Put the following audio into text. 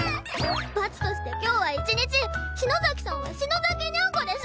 罰として今日は一日篠崎さんは篠崎にゃんこです！